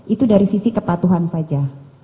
itu dari sisi kepatuhan saja